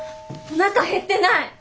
おなか減ってない！